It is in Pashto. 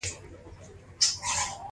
دې کړکیو توده هوا له کور څخه بهر ویستله.